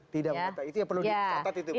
tidak membatalkan itu yang perlu dicatat itu bu emy